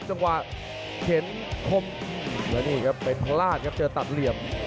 จังหวะเข็นคมแล้วนี่ครับเป็นพลาดครับเจอตัดเหลี่ยม